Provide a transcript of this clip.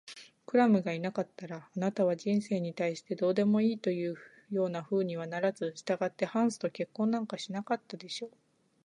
クラムがいなかったら、あなたは人生に対してどうでもいいというようなふうにはならず、したがってハンスと結婚なんかしなかったでしょう。